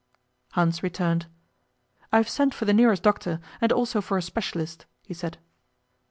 Hans returned. 'I have sent for the nearest doctor, and also for a specialist,' he said.